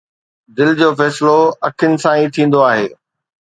دل جو فيصلو اکين سان ئي ٿيندو آهي